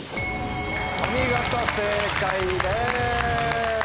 お見事正解です。